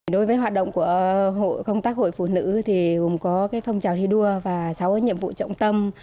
đối với hoạt động của công tác hội phụ nữ thì gồm có phong trào thi đua và sáu nhiệm vụ trọng tâm